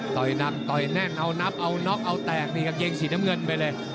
หนักต่อยแน่นเอานับเอาน็อกเอาแตกนี่กางเกงสีน้ำเงินไปเลย